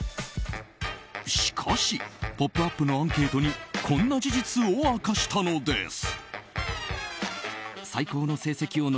しかし「ポップＵＰ！」のアンケートにこんな事実を明かしたのです。